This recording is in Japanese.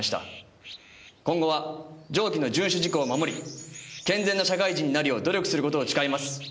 「今後は上記の遵守事項を守り健全な社会人になるよう努力することを誓います」